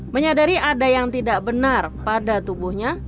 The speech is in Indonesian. menyadari ada yang tidak benar pada tubuhnya